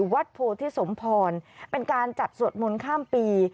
วัดโพธิสมพรเป็นการจัดสวดมนต์ข้ามปี